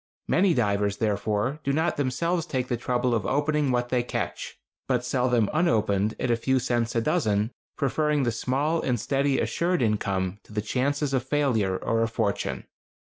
Many divers, therefore, do not themselves take the trouble of opening what they catch, but sell them unopened at a few cents a dozen, preferring the small and steady assured income to the chances of failure or a fortune.